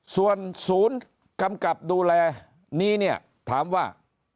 ส่วนศูนย์กำกับดูแลนี้เนี่ยถามว่า